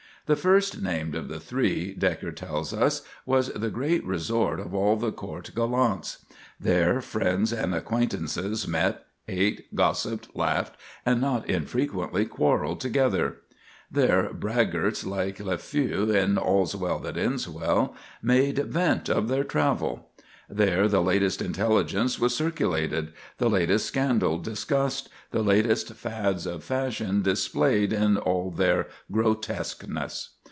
The first named of the three, Dekker tells us, was the great resort of all the court gallants. There friends and acquaintances met, ate, gossiped, laughed, and not infrequently quarrelled, together; there braggarts, like Lafeu in "All's Well that Ends Well," "made vent of their travel"; there the latest intelligence was circulated, the latest scandal discussed, the latest fads of fashion displayed in all their grotesqueness.